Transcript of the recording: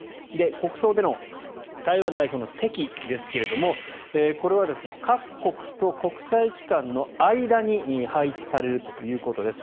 国葬での台湾代表の席ですけれどこれは各国と国際機関の間に配置されるということです。